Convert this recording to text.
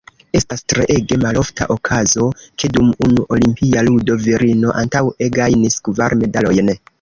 Estas treege malofta okazo, ke dum unu olimpia ludo virino antaŭe gajnis kvar medalojn.